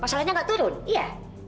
pasalannya gak turun iya